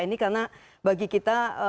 ini karena bagi kita